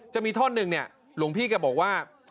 จะมีท่อนหนึ่งเนี่ยหลวงพี่แกบอกว่า